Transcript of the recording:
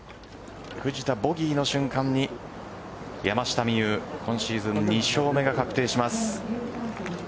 藤田ボギーの瞬間に山下美夢有、今シーズン２勝目が確定します。